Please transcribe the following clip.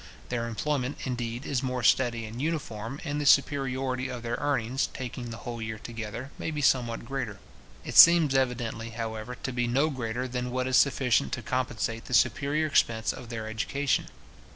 Their employment, indeed, is more steady and uniform, and the superiority of their earnings, taking the whole year together, may be somewhat greater. It seems evidently, however, to be no greater than what is sufficient to compensate the superior expense of their education.